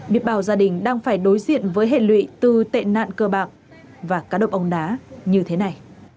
biết bào gia đình đang phải đối diện với hệ lụy từ tệ nạn cơ bạc và cá độ bóng đá như thế này